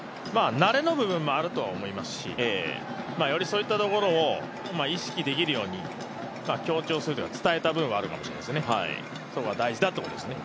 慣れの部分もあると思いますし、よりそういったところを意識できるように強調して伝えた部分はあるかもしれないですね。